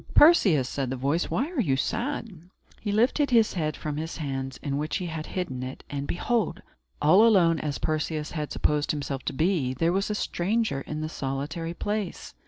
"Perseus," said the voice, "why are you sad?" He lifted his head from his hands, in which he had hidden it, and, behold! all alone as Perseus had supposed himself to be, there was a stranger in the solitary place.